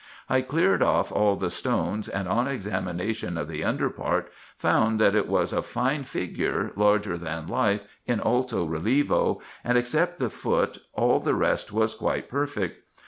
I cleared off all the stones, and on examination of the under part, found that it was a fine figure, larger than life, in alto relievo, and, except the foot, all the rest was quite perfect.